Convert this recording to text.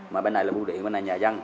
mà bên này là bưu điện bên này là nhà dân